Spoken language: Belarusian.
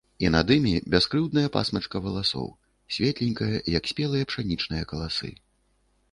І над імі - бяскрыўдная пасмачка валасоў, светленькая, як спелыя пшанічныя каласы.